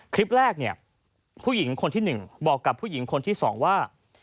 คลิปแรกเนี่ยผู้หญิงคนที่๑บอกกับผู้หญิงคนที่๒ว่า